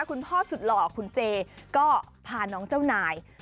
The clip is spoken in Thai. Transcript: คุณพ่อสุดหล่อคุณเจก็พาน้องเจ้านาย